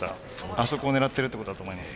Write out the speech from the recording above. あそこを狙ってるってことだと思います。